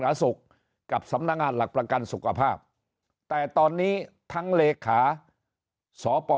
สุขกับสำนักงานหลักประกันสุขภาพแต่ตอนนี้ทั้งเลขาสป